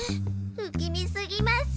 不気味すぎます。